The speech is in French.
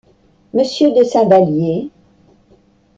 Monsieur de saint vallier.